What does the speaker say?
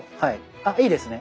あいいですね。